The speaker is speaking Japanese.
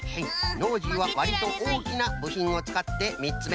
ノージーはわりとおおきなぶひんをつかってみっつめ。